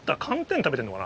食べてるのかな。